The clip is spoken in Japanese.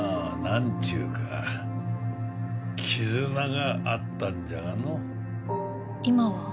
なんちゅうか絆があったんじゃがのう今は？